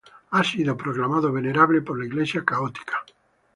Ha sido proclamado venerable por la Iglesia católica.